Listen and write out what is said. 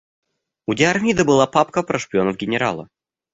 У Диармида была папка про шпионов генерала.